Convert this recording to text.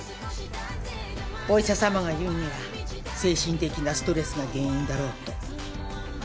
お医者さまが言うには精神的なストレスが原因だろうと。